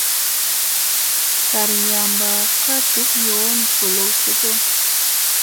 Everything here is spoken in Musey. Garyamba kaa duk yoona ɓolow cocoo.